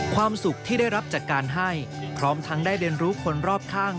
ความสุขที่ได้รับจัดการให้พร้อมทั้งได้เรียนรู้คนรอบข้าง